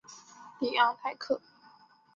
里昂泰克。